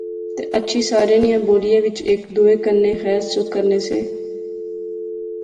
تہ اچھی شارے نیاں بولیا وچ ہیک دوہے کنے خیر سکھ کرنے سے